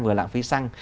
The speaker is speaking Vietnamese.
vừa lãng phí xăng